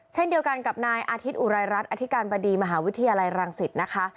เช่นเดียวกันกับนายอาทิตย์อุรายรัฐอธิการบดีมหาวิทยาลัยรังสิตนะคะ